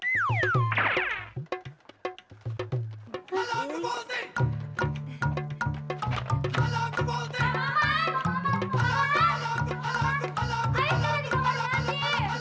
ayo kita ke bawah sini